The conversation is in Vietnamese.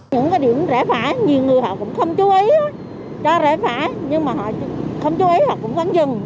những cái điểm rẽ phải nhiều người họ cũng không chú ý cho rễ phải nhưng mà họ không chú ý họ cũng vẫn dừng